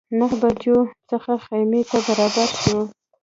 نهه بجو څخه خیمې ته برابر شوو.